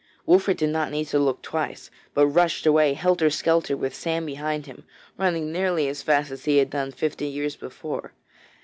Wolfert did not need to look twice, but rushed away helter skelter with Sam behind him, running nearly as fast as he had done fifty years before.